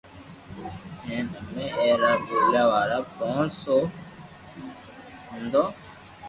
ھين امي اي را ٻوليا وارا پونچ سو خوندون